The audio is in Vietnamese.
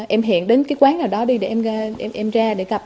em hẹn đến cái quán nào đó đi để em ra để gặp